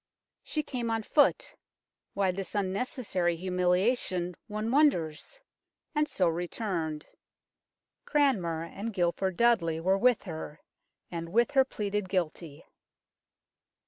She came on foot why this unnecessary humiliation, one wonders ? and so returned. Cranmer and Guilford Dudley were with her, and with her pleaded guilty.